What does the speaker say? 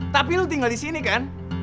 tapi lu tinggal di sini kan